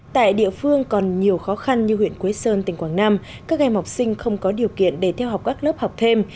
tại địa phương còn nhiều khó khăn như huyện quế sơn tỉnh quảng nam các em học sinh không có điều kiện để theo học các lớp học thêm